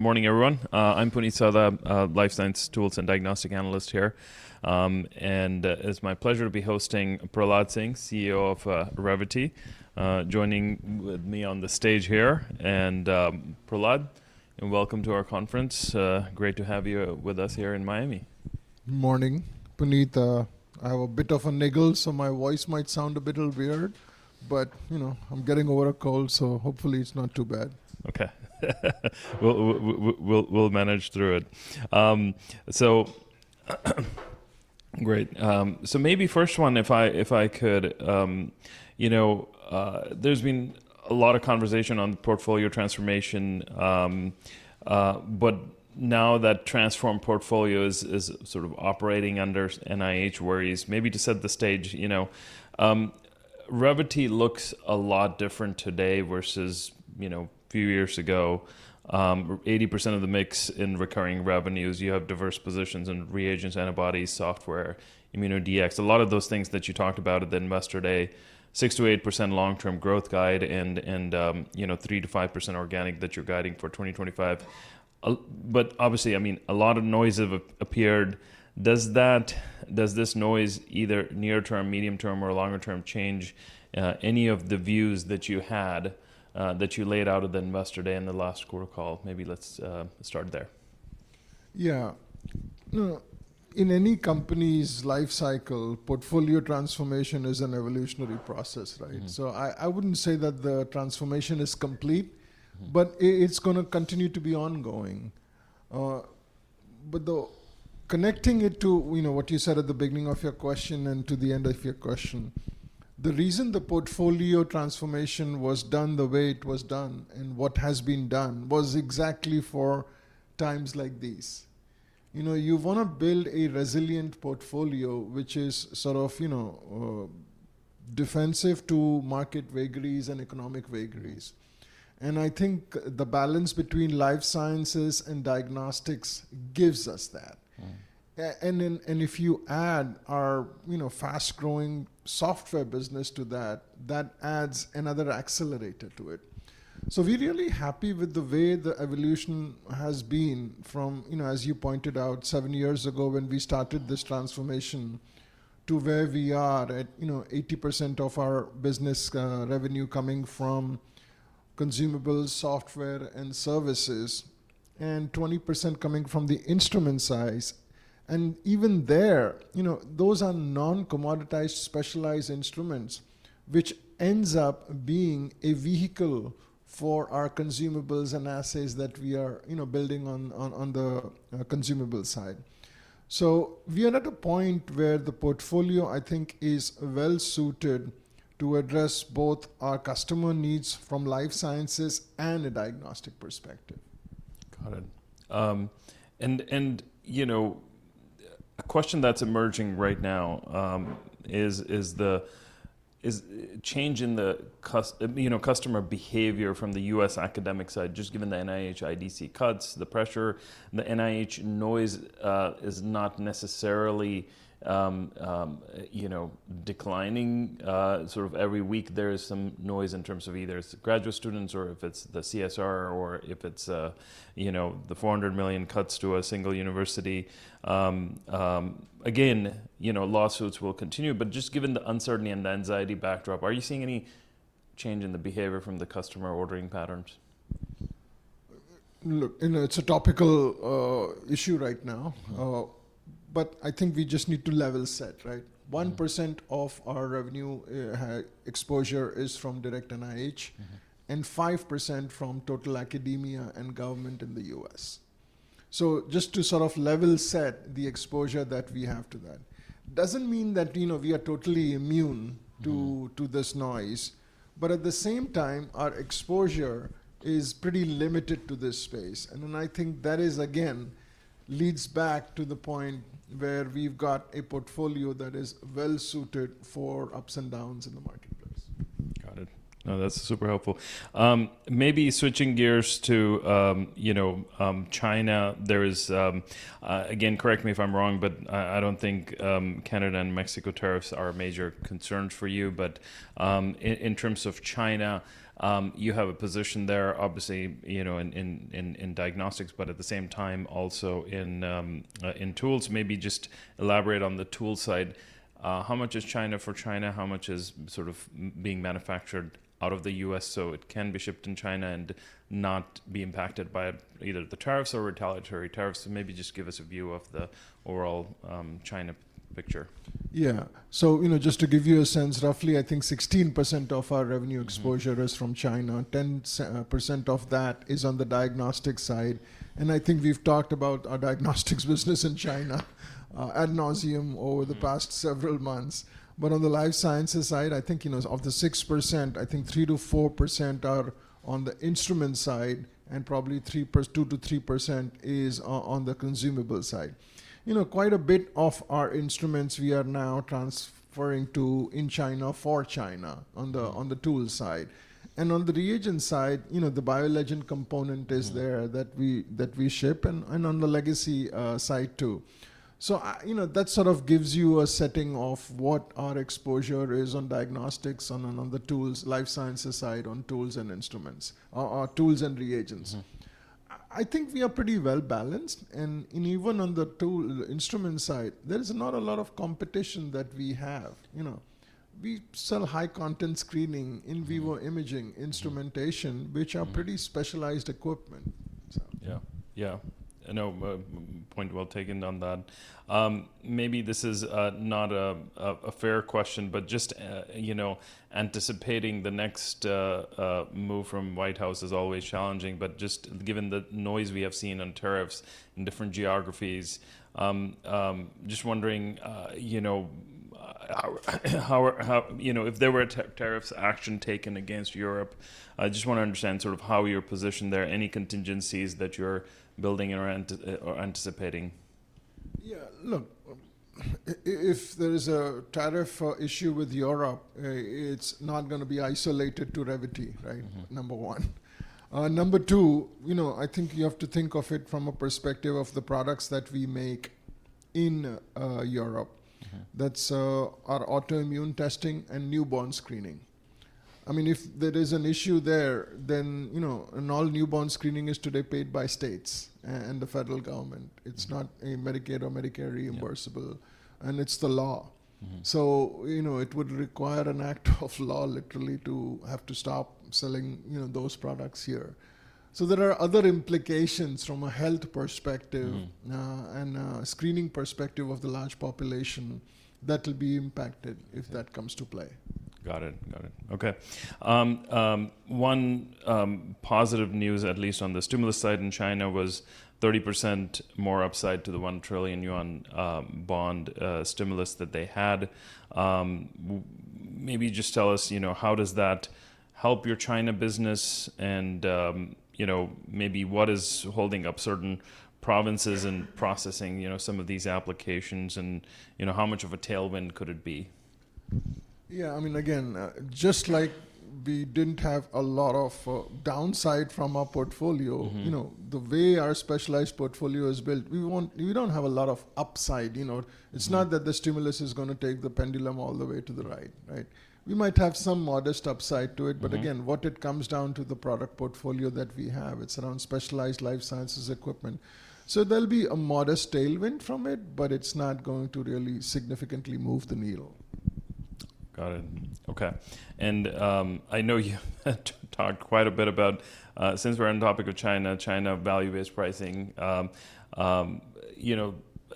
Morning, everyone. I'm Puneet Souda, Life Science Tools and Diagnostic Analyst here. It's my pleasure to be hosting Prahlad Singh, CEO of Revvity joining with me on the stage here. Prahlad, welcome to our conference. Great to have you with us here in Miami. Morning, Puneet. I have a bit of a niggle, so my voice might sound a bit weird. But I'm getting over a cold, so hopefully it's not too bad. OK. We'll manage through it. Great. Maybe first one, if I could, there's been a lot of conversation on portfolio transformation. Now that transformed portfolio is sort of operating under NIH worries, maybe to set the stage, Revvity looks a lot different today versus a few years ago. 80% of the mix in recurring revenues, you have diverse positions in reagents, antibodies, software, immuno DX, a lot of those things that you talked about then yesterday, 6%-8% long-term growth guide, and 3%-5% organic that you're guiding for 2025. Obviously, a lot of noise appeared. Does this noise either near-term, medium-term, or longer-term change any of the views that you had, that you laid out of them yesterday in the last quarter call? Maybe let's start there. Yeah. In any company's life cycle, portfolio transformation is an evolutionary process. I wouldn't say that the transformation is complete, but it's going to continue to be ongoing. Connecting it to what you said at the beginning of your question and to the end of your question, the reason the portfolio transformation was done the way it was done and what has been done was exactly for times like these. You want to build a resilient portfolio, which is sort of defensive to market vagaries and economic vagaries. I think the balance between life sciences and diagnostics gives us that. If you add our fast-growing software business to that, that adds another accelerator to it. We are really happy with the way the evolution has been from, as you pointed out, seven years ago when we started this transformation to where we are at 80% of our business revenue coming from consumables, software, and services, and 20% coming from the instrument side. Even there, those are non-commoditized specialized instruments, which ends up being a vehicle for our consumables and assets that we are building on the consumable side. We are at a point where the portfolio, I think, is well-suited to address both our customer needs from life sciences and a diagnostic perspective. Got it. A question that's emerging right now is change in the customer behavior from the US academic side, just given the NIH IDC cuts, the pressure. The NIH noise is not necessarily declining. Every week, there is some noise in terms of either it's graduate students, or if it's the CSR, or if it's the $400 million cuts to a single university. Lawsuits will continue. Just given the uncertainty and the anxiety backdrop, are you seeing any change in the behavior from the customer ordering patterns? It's a topical issue right now. I think we just need to level set. 1% of our revenue exposure is from direct NIH, and 5% from total academia and government in the US. Just to sort of level set the exposure that we have to that. It does not mean that we are totally immune to this noise. At the same time, our exposure is pretty limited to this space. I think that again leads back to the point where we have got a portfolio that is well-suited for ups and downs in the marketplace. Got it. No, that's super helpful. Maybe switching gears to China. Again, correct me if I'm wrong, but I don't think Canada and Mexico tariffs are major concerns for you. In terms of China, you have a position there, obviously, in diagnostics, but at the same time, also in tools. Maybe just elaborate on the tool side. How much is China for China? How much is being manufactured out of the US so it can be shipped in China and not be impacted by either the tariffs or retaliatory tariffs? Maybe just give us a view of the overall China picture. Yeah. Just to give you a sense, roughly, I think 16% of our revenue exposure is from China. 10% of that is on the diagnostic side. I think we've talked about our diagnostics business in China ad nauseam over the past several months. On the life sciences side, I think of the 6%, I think 3%-4% are on the instrument side, and probably 2%-3% is on the consumable side. Quite a bit of our instruments we are now transferring to in China for China on the tool side. On the reagent side, the BioLegend component is there that we ship, and on the legacy side too. That sort of gives you a setting of what our exposure is on diagnostics, on the tools, life sciences side, on tools and instruments, tools and reagents. I think we are pretty well balanced. Even on the tool instrument side, there's not a lot of competition that we have. We sell high-content screening, in vivo imaging, instrumentation, which are pretty specialized equipment. Yeah. Yeah. Point well taken on that. Maybe this is not a fair question, but just anticipating the next move from the White House is always challenging. Just given the noise we have seen on tariffs in different geographies, just wondering if there were tariffs action taken against Europe. I just want to understand how you're positioned there, any contingencies that you're building or anticipating. Yeah. Look, if there is a tariff issue with Europe, it's not going to be isolated to Revvity, number one. Number two, I think you have to think of it from a perspective of the products that we make in Europe. That's our autoimmune testing and newborn screening. I mean, if there is an issue there, then all newborn screening is today paid by states and the federal government. It's not a Medicaid or Medicare reimbursable. It's the law. It would require an act of law, literally, to have to stop selling those products here. There are other implications from a health perspective and screening perspective of the large population that will be impacted if that comes to play. Got it. Got it. OK. One positive news, at least on the stimulus side in China, was 30% more upside to the 1 trillion yuan bond stimulus that they had. Maybe just tell us, how does that help your China business? Maybe what is holding up certain provinces in processing some of these applications? How much of a tailwind could it be? Yeah. I mean, again, just like we did not have a lot of downside from our portfolio, the way our specialized portfolio is built, we do not have a lot of upside. It is not that the stimulus is going to take the pendulum all the way to the right. We might have some modest upside to it. Again, what it comes down to, the product portfolio that we have, it is around specialized life sciences equipment. There will be a modest tailwind from it, but it is not going to really significantly move the needle. Got it. OK. I know you talked quite a bit about, since we're on the topic of China, China value-based pricing.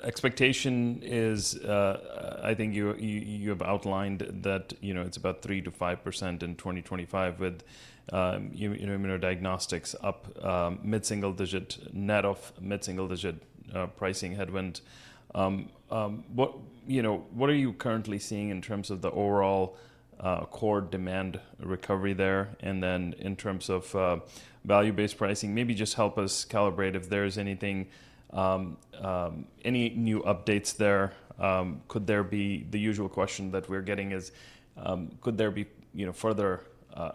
Expectation is, I think you have outlined that it's about 3%-5% in 2025, with immunodiagnostics up mid-single digit net of mid-single digit pricing headwind. What are you currently seeing in terms of the overall core demand recovery there? In terms of value-based pricing, maybe just help us calibrate if there's anything, any new updates there. The usual question that we're getting is, could there be further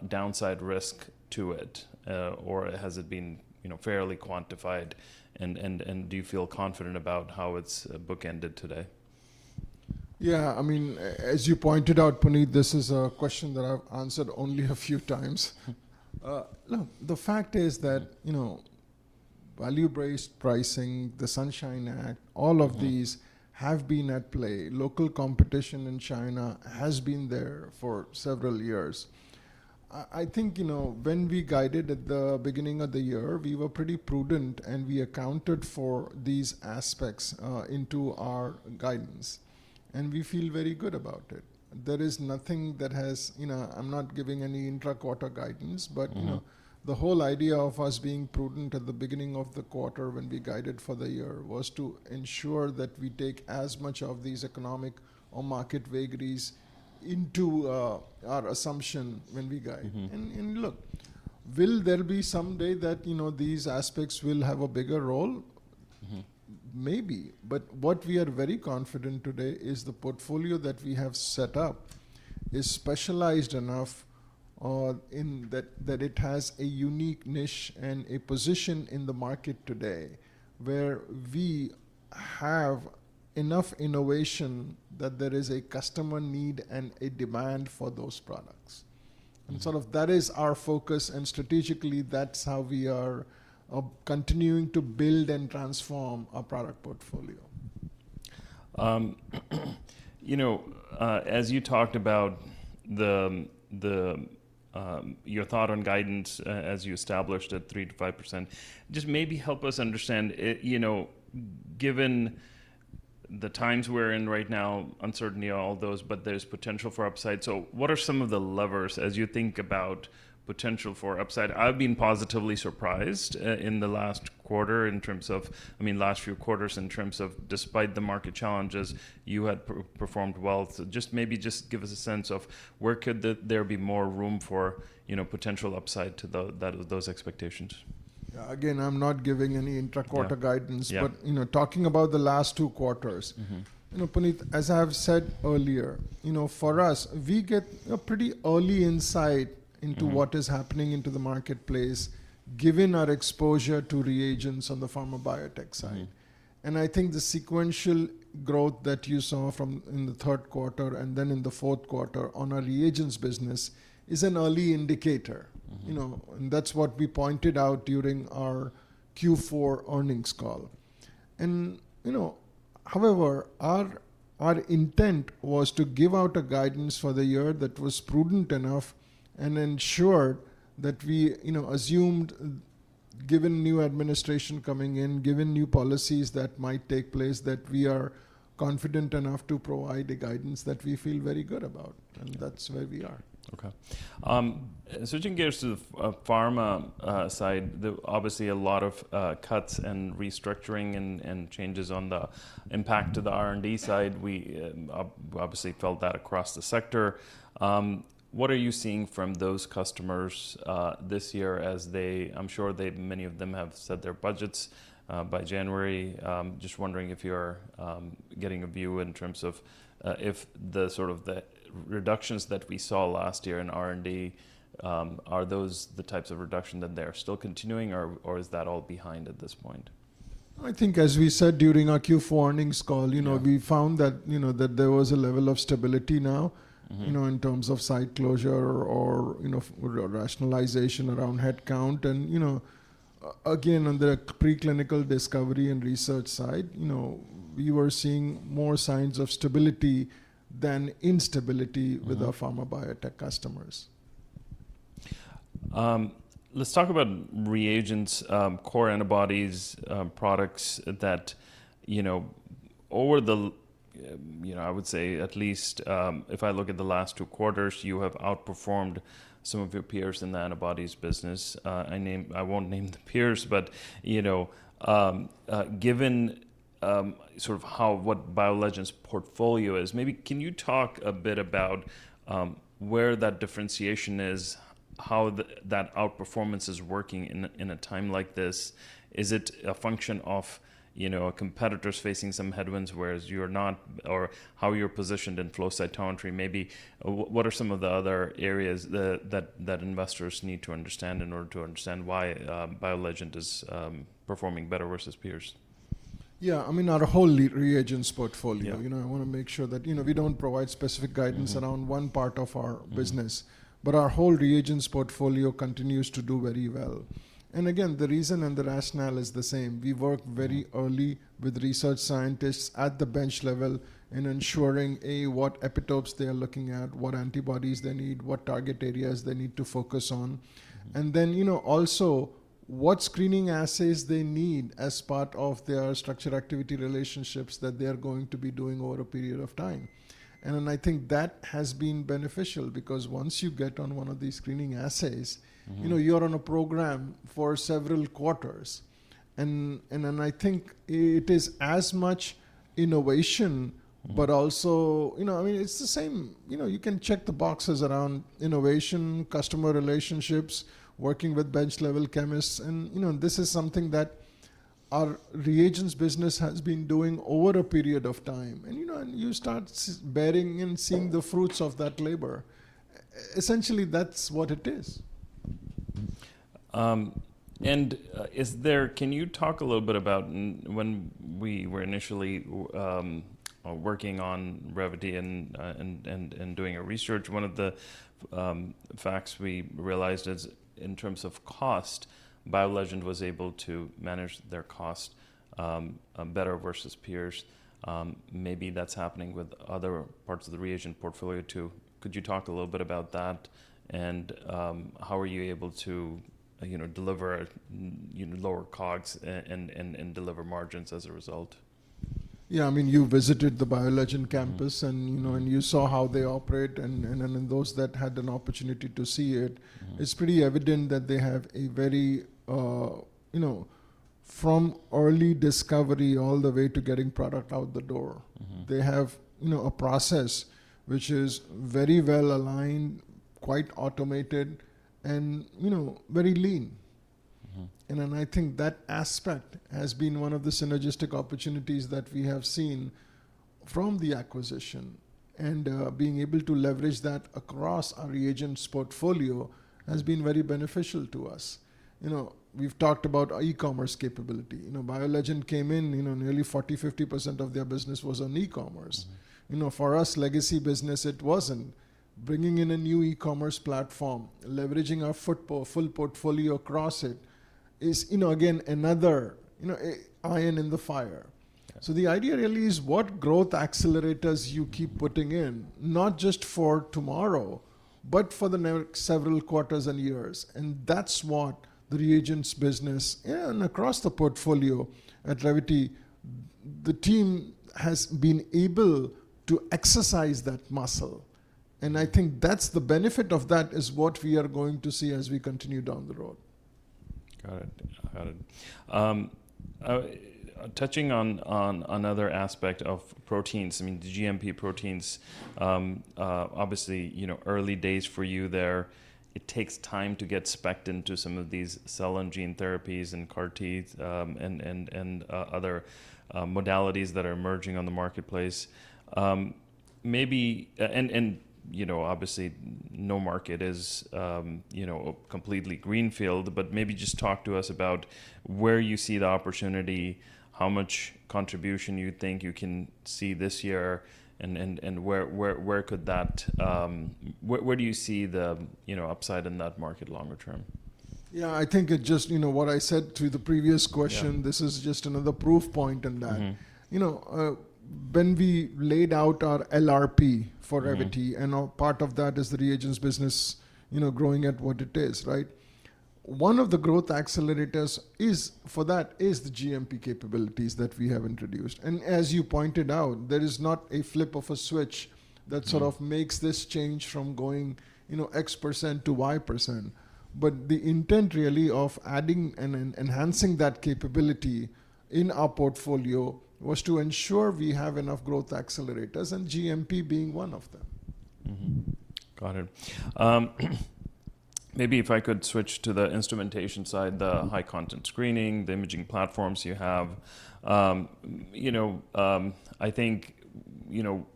downside risk to it? Has it been fairly quantified? Do you feel confident about how it's bookended today? Yeah. I mean, as you pointed out, Puneet, this is a question that I've answered only a few times. The fact is that value-based pricing, the Sunshine Act, all of these have been at play. Local competition in China has been there for several years. I think when we guided at the beginning of the year, we were pretty prudent. We accounted for these aspects into our guidance. We feel very good about it. There is nothing that has—I am not giving any intra-quarter guidance. The whole idea of us being prudent at the beginning of the quarter when we guided for the year was to ensure that we take as much of these economic or market vagaries into our assumption when we guide. Look, will there be someday that these aspects will have a bigger role? Maybe. What we are very confident today is the portfolio that we have set up is specialized enough that it has a unique niche and a position in the market today where we have enough innovation that there is a customer need and a demand for those products. That is our focus. Strategically, that's how we are continuing to build and transform our product portfolio. As you talked about your thought on guidance as you established at 3%-5%, just maybe help us understand, given the times we're in right now, uncertainty on all those, but there's potential for upside. What are some of the levers as you think about potential for upside? I've been positively surprised in the last quarter in terms of, I mean, last few quarters in terms of, despite the market challenges, you had performed well. Just maybe give us a sense of where could there be more room for potential upside to those expectations. Yeah. Again, I'm not giving any intra-quarter guidance. Talking about the last two quarters, Puneet, as I've said earlier, for us, we get a pretty early insight into what is happening into the marketplace, given our exposure to reagents on the pharma biotech side. I think the sequential growth that you saw in the third quarter and then in the fourth quarter on our reagents business is an early indicator. That is what we pointed out during our Q4 earnings call. However, our intent was to give out a guidance for the year that was prudent enough and ensured that we assumed, given new administration coming in, given new policies that might take place, that we are confident enough to provide a guidance that we feel very good about. That is where we are. OK. Switching gears to the pharma side, obviously, a lot of cuts and restructuring and changes on the impact to the R&D side. We obviously felt that across the sector. What are you seeing from those customers this year as they--I'm sure many of them have set their budgets by January. Just wondering if you're getting a view in terms of if the reductions that we saw last year in R&D, are those the types of reduction that they are still continuing, or is that all behind at this point? I think, as we said during our Q4 earnings call, we found that there was a level of stability now in terms of site closure or rationalization around headcount. Again, on the preclinical discovery and research side, we were seeing more signs of stability than instability with our pharma biotech customers. Let's talk about reagents, core antibodies products that, over the—I would say, at least if I look at the last two quarters, you have outperformed some of your peers in the antibodies business. I won't name the peers. Given what BioLegend's portfolio is, maybe can you talk a bit about where that differentiation is, how that outperformance is working in a time like this? Is it a function of competitors facing some headwinds whereas you are not, or how you're positioned in flow cytometry? Maybe what are some of the other areas that investors need to understand in order to understand why BioLegend is performing better versus peers? Yeah. I mean, our whole reagents portfolio, I want to make sure that we do not provide specific guidance around one part of our business. Our whole reagents portfolio continues to do very well. Again, the reason and the rationale is the same. We work very early with research scientists at the bench level in ensuring what epitopes they are looking at, what antibodies they need, what target areas they need to focus on, and then also what screening assays they need as part of their structure activity relationships that they are going to be doing over a period of time. I think that has been beneficial because once you get on one of these screening assays, you are on a program for several quarters. I think it is as much innovation, but also, I mean, it is the same. You can check the boxes around innovation, customer relationships, working with bench-level chemists. This is something that our reagents business has been doing over a period of time. You start bearing and seeing the fruits of that labor. Essentially, that's what it is. Can you talk a little bit about when we were initially working on Revvity and doing our research, one of the facts we realized is in terms of cost, BioLegend was able to manage their cost better versus peers. Maybe that's happening with other parts of the reagent portfolio too. Could you talk a little bit about that? How are you able to deliver lower COGS and deliver margins as a result? Yeah. I mean, you visited the BioLegend campus, and you saw how they operate. Those that had an opportunity to see it, it's pretty evident that they have a very from early discovery all the way to getting product out the door. They have a process which is very well aligned, quite automated, and very lean. I think that aspect has been one of the synergistic opportunities that we have seen from the acquisition. Being able to leverage that across our reagents portfolio has been very beneficial to us. We've talked about e-commerce capability. BioLegend came in, nearly 40%-50% of their business was on e-commerce. For us, legacy business, it wasn't. Bringing in a new e-commerce platform, leveraging our full portfolio across it is, again, another iron in the fire. The idea really is what growth accelerators you keep putting in, not just for tomorrow, but for the next several quarters and years. That is what the reagents business and across the portfolio at Revvity, the team has been able to exercise that muscle. I think the benefit of that is what we are going to see as we continue down the road. Got it. Got it. Touching on another aspect of proteins, I mean, the GMP proteins, obviously, early days for you there. It takes time to get specced into some of these cell and gene therapies and CARTs and other modalities that are emerging on the marketplace. Obviously, no market is completely greenfield. Maybe just talk to us about where you see the opportunity, how much contribution you think you can see this year, and where do you see the upside in that market longer term? Yeah. I think just what I said to the previous question, this is just another proof point in that. When we laid out our LRP for Revvity, and part of that is the reagents business growing at what it is, right, one of the growth accelerators for that is the GMP capabilities that we have introduced. As you pointed out, there is not a flip of a switch that sort of makes this change from going x% to y%. The intent really of adding and enhancing that capability in our portfolio was to ensure we have enough growth accelerators, and GMP being one of them. Got it. Maybe if I could switch to the instrumentation side, the high-content screening, the imaging platforms you have. I think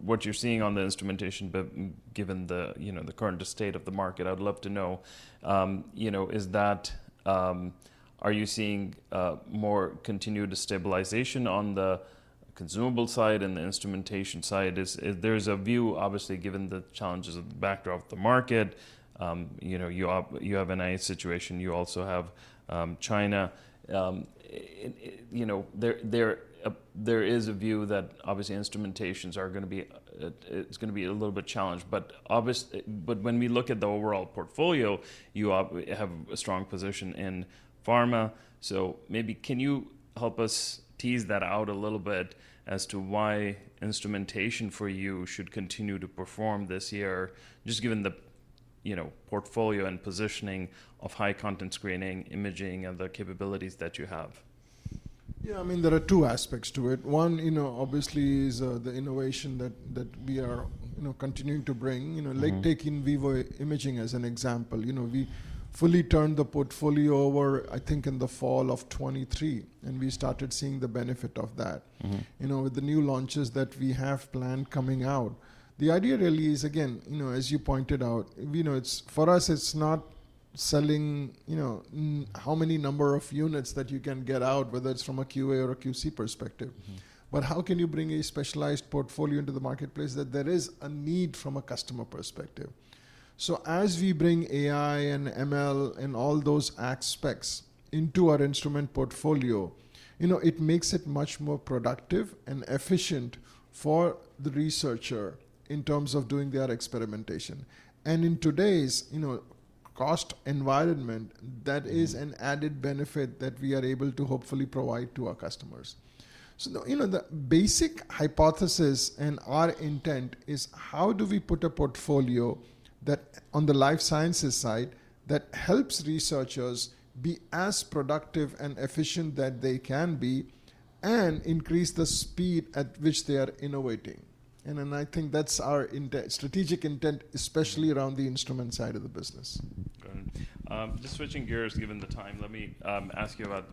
what you're seeing on the instrumentation, given the current state of the market, I'd love to know, are you seeing more continued stabilization on the consumable side and the instrumentation side? There is a view, obviously, given the challenges of the backdrop of the market. You have an AI situation. You also have China. There is a view that obviously instrumentations are going to be, it's going to be a little bit challenged. When we look at the overall portfolio, you have a strong position in pharma. Maybe can you help us tease that out a little bit as to why instrumentation for you should continue to perform this year, just given the portfolio and positioning of high-content screening, imaging, and the capabilities that you have? Yeah. I mean, there are two aspects to it. One, obviously, is the innovation that we are continuing to bring. Take in vivo imaging as an example. We fully turned the portfolio over, I think, in the fall of 2023. And we started seeing the benefit of that with the new launches that we have planned coming out. The idea really is, again, as you pointed out, for us, it's not selling how many number of units that you can get out, whether it's from a QA or a QC perspective. How can you bring a specialized portfolio into the marketplace that there is a need from a customer perspective? As we bring AI and ML and all those aspects into our instrument portfolio, it makes it much more productive and efficient for the researcher in terms of doing their experimentation. In today's cost environment, that is an added benefit that we are able to hopefully provide to our customers. The basic hypothesis and our intent is how do we put a portfolio on the life sciences side that helps researchers be as productive and efficient that they can be and increase the speed at which they are innovating. I think that's our strategic intent, especially around the instrument side of the business. Got it. Just switching gears given the time, let me ask you about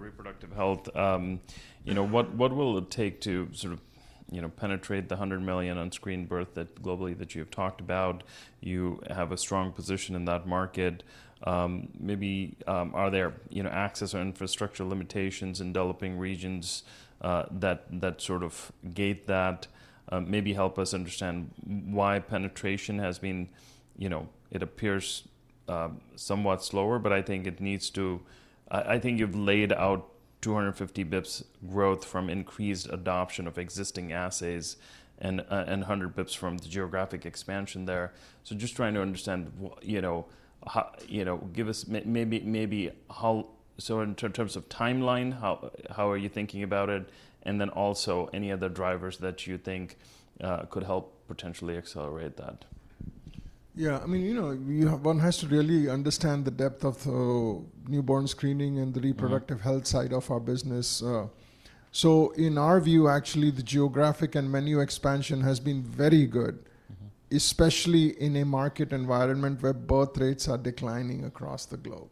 reproductive health. What will it take to penetrate the 100 million on screen birth globally that you have talked about? You have a strong position in that market. Maybe are there access or infrastructure limitations in developing regions that sort of gate that? Maybe help us understand why penetration has been it appears somewhat slower. I think it needs to, I think you've laid out 250 basis points growth from increased adoption of existing assays and 100 basis points from the geographic expansion there. Just trying to understand, give us maybe, in terms of timeline, how are you thinking about it? Also, any other drivers that you think could help potentially accelerate that? Yeah. I mean, one has to really understand the depth of newborn screening and the reproductive health side of our business. In our view, actually, the geographic and menu expansion has been very good, especially in a market environment where birth rates are declining across the globe.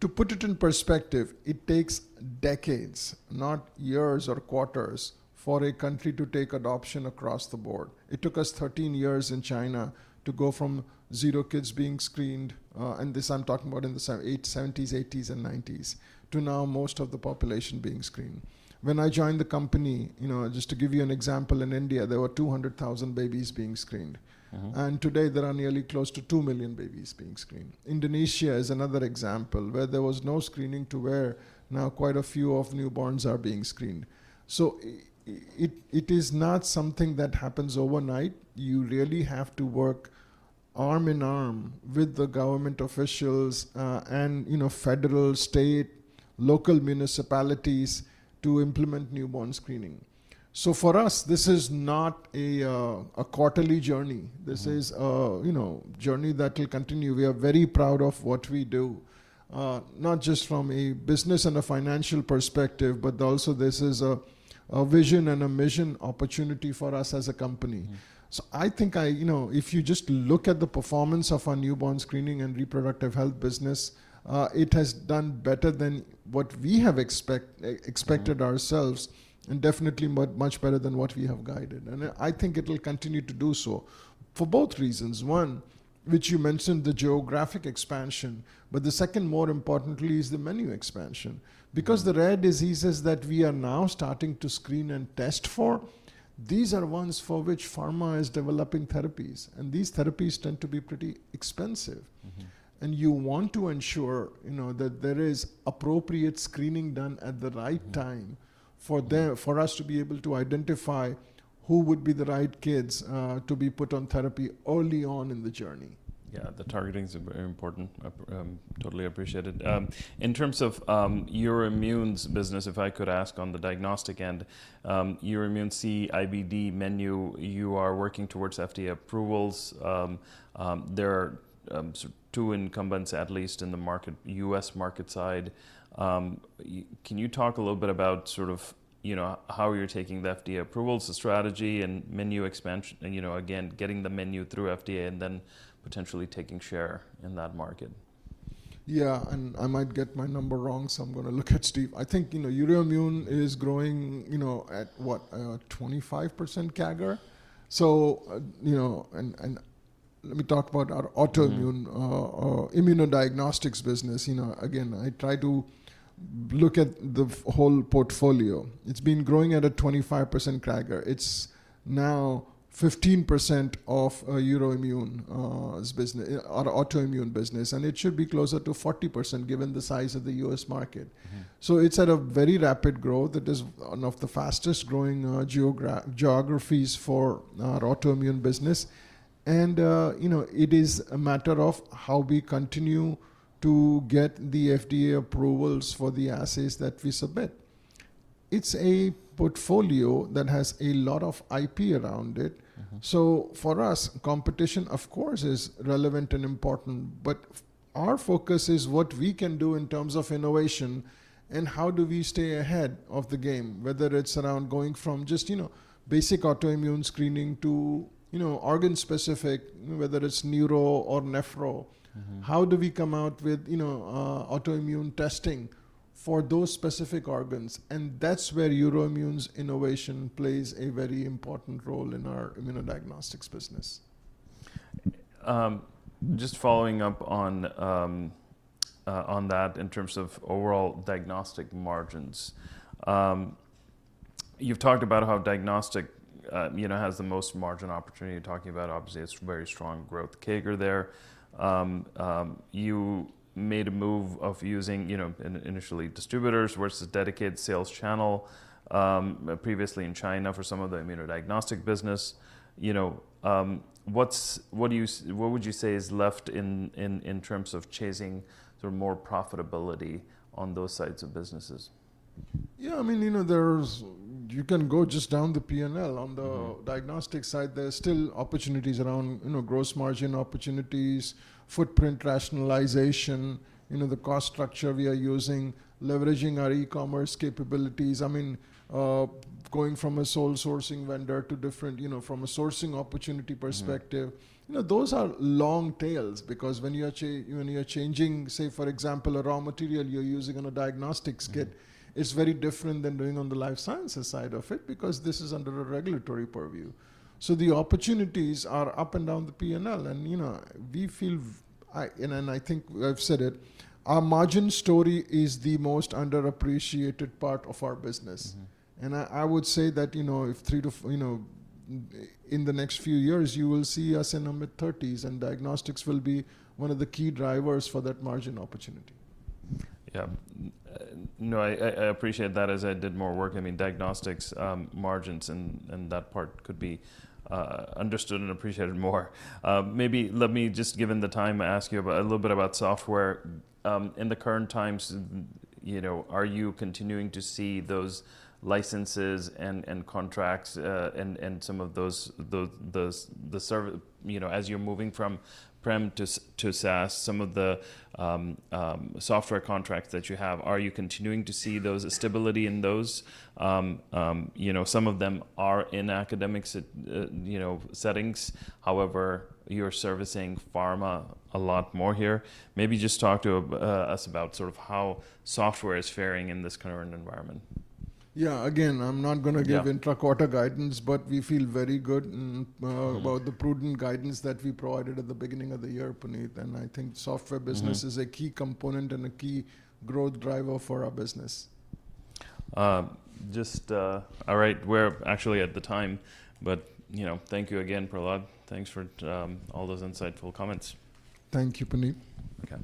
To put it in perspective, it takes decades, not years or quarters, for a country to take adoption across the board. It took us 13 years in China to go from zero kids being screened, and this I am talking about in the 1970s, 1980s, and 1990s, to now most of the population being screened. When I joined the company, just to give you an example, in India, there were 200,000 babies being screened. Today, there are nearly close to 2 million babies being screened. Indonesia is another example where there was no screening to where now quite a few of newborns are being screened. It is not something that happens overnight. You really have to work arm in arm with the government officials and federal, state, local municipalities to implement newborn screening. For us, this is not a quarterly journey. This is a journey that will continue. We are very proud of what we do, not just from a business and a financial perspective, but also this is a vision and a mission opportunity for us as a company. I think if you just look at the performance of our newborn screening and reproductive health business, it has done better than what we have expected ourselves and definitely much better than what we have guided. I think it will continue to do so for both reasons. One, which you mentioned, the geographic expansion. The second, more importantly, is the menu expansion. Because the rare diseases that we are now starting to screen and test for, these are ones for which pharma is developing therapies. These therapies tend to be pretty expensive. You want to ensure that there is appropriate screening done at the right time for us to be able to identify who would be the right kids to be put on therapy early on in the journey. Yeah. The targeting is very important. Totally appreciate it. In terms of your immune business, if I could ask on the diagnostic end, your immunocyte, IBD, menu, you are working towards FDA approvals. There are two incumbents, at least, in the US market side. Can you talk a little bit about how you're taking the FDA approvals, the strategy, and menu expansion, again, getting the menu through FDA and then potentially taking share in that market? Yeah. I might get my number wrong, so I'm going to look at Steve. I think urine immune is growing at, what, 25% CAGR. Let me talk about our autoimmune immunodiagnostics business. Again, I try to look at the whole portfolio. It's been growing at a 25% CAGR. It's now 15% of our autoimmune business. It should be closer to 40% given the size of the US market. It is at a very rapid growth. It is one of the fastest growing geographies for our autoimmune business. It is a matter of how we continue to get the FDA approvals for the assays that we submit. It's a portfolio that has a lot of IP around it. For us, competition, of course, is relevant and important. Our focus is what we can do in terms of innovation and how do we stay ahead of the game, whether it's around going from just basic autoimmune screening to organ-specific, whether it's neuro or nephro. How do we come out with autoimmune testing for those specific organs? That is where urine immune's innovation plays a very important role in our immunodiagnostics business. Just following up on that in terms of overall diagnostic margins, you've talked about how diagnostic has the most margin opportunity. You're talking about, obviously, it's very strong growth CAGR there. You made a move of using initially distributors versus dedicated sales channel previously in China for some of the immunodiagnostic business. What would you say is left in terms of chasing more profitability on those sides of businesses? Yeah. I mean, you can go just down the P&L. On the diagnostic side, there are still opportunities around gross margin opportunities, footprint rationalization, the cost structure we are using, leveraging our e-commerce capabilities. I mean, going from a sole sourcing vendor to different from a sourcing opportunity perspective, those are long tails. Because when you're changing, say, for example, a raw material you're using in a diagnostics kit, it's very different than doing on the life sciences side of it because this is under a regulatory purview. The opportunities are up and down the P&L. We feel, and I think I've said it, our margin story is the most underappreciated part of our business. I would say that if in the next few years you will see us in our mid-30s, and diagnostics will be one of the key drivers for that margin opportunity. Yeah. No, I appreciate that as I did more work. I mean, diagnostics margins and that part could be understood and appreciated more. Maybe let me, just given the time, ask you a little bit about software. In the current times, are you continuing to see those licenses and contracts and some of the server as you're moving from PREM to SaaS, some of the software contracts that you have, are you continuing to see stability in those? Some of them are in academic settings. However, you're servicing pharma a lot more here. Maybe just talk to us about how software is faring in this current environment. Yeah. Again, I'm not going to give intra-quarter guidance. We feel very good about the prudent guidance that we provided at the beginning of the year, Puneet. I think software business is a key component and a key growth driver for our business. Just all right. We're actually at the time. Thank you again, Prahlad. Thanks for all those insightful comments. Thank you, Puneet. OK.